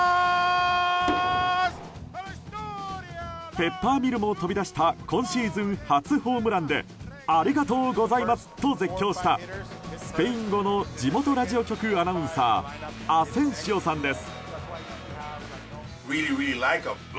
ペッパーミルも飛び出した今シーズン初ホームランでありがとうございます！と絶叫したスペイン語の地元ラジオ局アナウンサーアセンシオさんです。